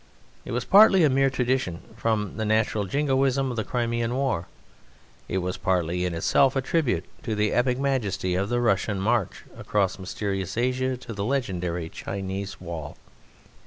It was partly a mere tradition from the natural jingoism of the Crimean War; it was partly in itself a tribute to the epic majesty of the Russian march across mysterious Asia to the legendary Chinese Wall.